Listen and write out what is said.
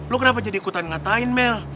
lo kenapa jadi ikutan ngatain mel